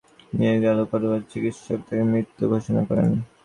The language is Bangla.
ঢাকা মেডিকেল কলেজ হাসপাতালে নিয়ে গেলে কর্তব্যরত চিকিৎসক তাঁকে মৃত ঘোষণা করেন।